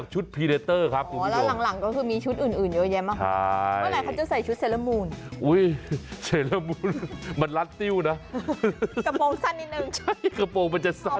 กระโปรงสั้นนิดนึงใช่กระโปรงมันจะสั้น